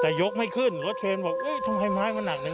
แต่ยกไม่ขึ้นรถเคนบอกเอ้ยทำไมไม้มันหนักจัง